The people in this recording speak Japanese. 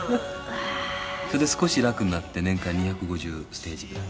谷村：それで、少し楽になって年間２５０ステージぐらい。